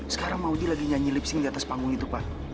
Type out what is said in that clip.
sekarang maudie lagi nyanyi lipsin di atas panggung itu pak